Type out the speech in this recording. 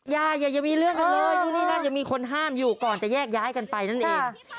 อย่าอย่ามีเรื่องกันเลยอยู่นี่น่าจะมีคนห้ามอยู่ก่อนจะแยกย้ายกันไปนั่นเอง